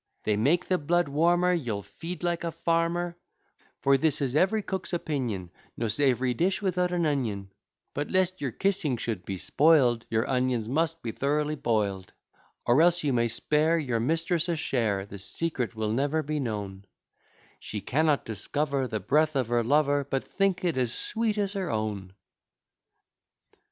They make the blood warmer, You'll feed like a farmer; For this is every cook's opinion, No savoury dish without an onion; But, lest your kissing should be spoil'd, Your onions must be thoroughly boil'd: Or else you may spare Your mistress a share, The secret will never be known: She cannot discover The breath of her lover, But think it as sweet as her own.